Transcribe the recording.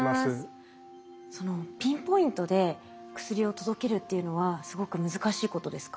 ピンポイントで薬を届けるっていうのはすごく難しいことですか？